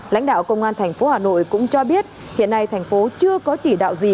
lãnh đạo công an thành phố hà nội cũng cho biết hiện nay thành phố chưa có chỉ đạo gì